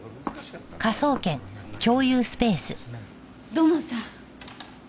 土門さん。